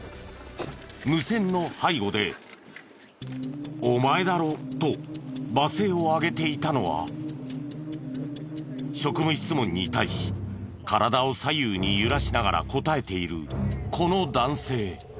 無線の背後で「お前だろ！」と罵声を上げていたのは職務質問に対し体を左右に揺らしながら答えているこの男性。